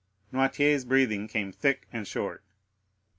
Noirtier's breathing came thick and short.